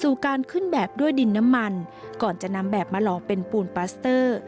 การขึ้นแบบด้วยดินน้ำมันก่อนจะนำแบบมาหลอกเป็นปูนปาสเตอร์